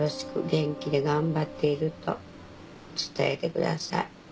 元気で頑張っていると伝えてください。